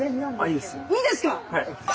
いいですか！